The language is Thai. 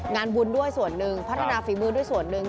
งานบุญด้วยส่วนหนึ่งพัฒนาฝีมือด้วยส่วนหนึ่ง